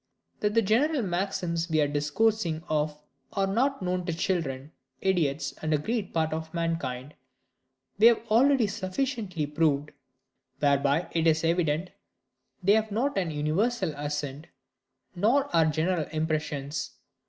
That the general maxims we are discoursing of are not known to children, idiots, and a great part of mankind, we have already sufficiently proved: whereby it is evident they have not an universal assent, nor are general impressions.